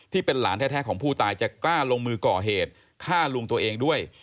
ที่เป็นหลานแท้ของผู้ตายจะกล้าลงมือก่อเหตุฆ่าลุงตัวเองด้วย